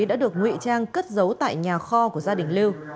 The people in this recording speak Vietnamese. đã được ngụy trang cất giấu tại nhà kho của gia đình lưu